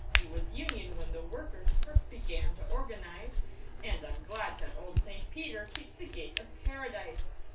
He was 'union' when the workers First began to organise, And I'm glad that old St. Peter Keeps the gate of Paradise.